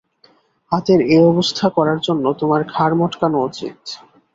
হাতের এ অবস্থা করার জন্য তোমার ঘাড় মটকানো উচিত।